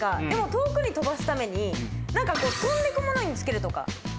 でも遠くに飛ばすために飛んでくものにつけるとか。